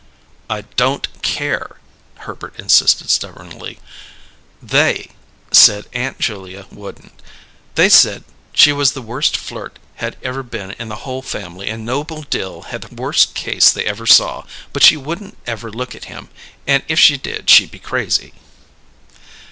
"I don't care," Herbert insisted stubbornly. "They said Aunt Julia wouldn't. They said she was the worst flirt had ever been in the whole family and Noble Dill had the worst case they ever saw, but she wouldn't ever look at him, and if she did she'd be crazy."